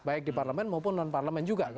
baik di parlemen maupun non parlemen juga